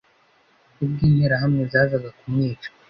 ubwo interahamwe zazaga kumwica